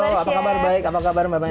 halo apa kabar baik apa kabar mbak baik